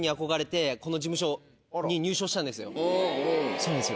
そうなんですよ。